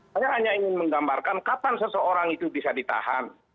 saya hanya ingin menggambarkan kapan seseorang itu bisa ditahan